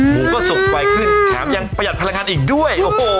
หมูก็สุกไวขึ้นแถมยังประหยัดพลังงานอีกด้วยโอ้โห